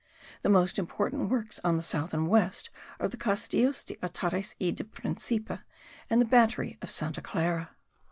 The most important works on the south and west are the Castillos de Atares y del Principe, and the battery of Santa Clara.